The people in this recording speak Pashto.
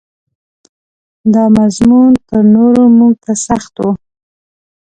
دا مضمون تر نورو موږ ته سخت و.